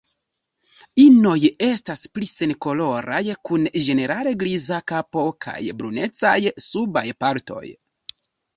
Inoj estas pli senkoloraj kun ĝenerale griza kapo kaj brunecaj subaj partoj.